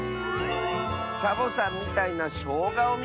「サボさんみたいなしょうがをみつけた！」。